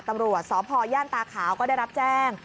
ตำรวจสพย่านตาขาวก็ได้รับแจ้ง